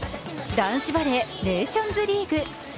男子バレーネーションズリーグ。